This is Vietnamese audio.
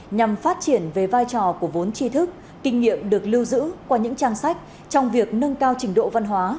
nhằm phát triển về vai trò của vốn tri thức kinh nghiệm được lưu giữ qua những trang sách trong việc nâng cao trình độ văn hóa